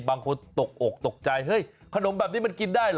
บางคนตกอกตกใจเฮ้ยขนมแบบนี้มันกินได้เหรอ